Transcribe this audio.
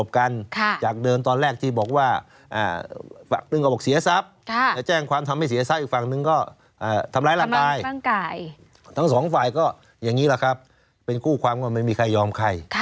ก็อย่างนี้แหละครับเป็นคู่ความว่าไม่มีใครยอมใคร